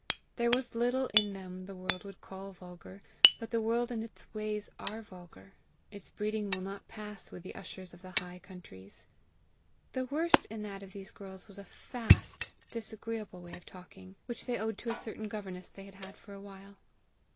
There was little in them the world would call vulgar; but the world and its ways are vulgar; its breeding will not pass with the ushers of the high countries. The worst in that of these girls was a FAST, disagreeable way of talking, which they owed to a certain governess they had had for a while.